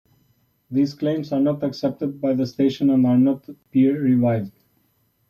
These claims are not accepted by the station and are not peer reviewed.